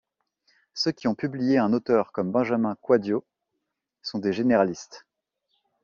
Ceux qui ont publié un auteur comme Benjamin Kouadio sont des généralistes.